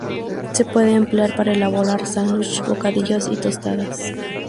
Se puede emplear para elaborar sándwiches, bocadillos y tostadas.